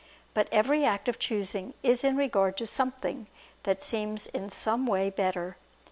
But every act of choosing is in regard to something that seems in some way better.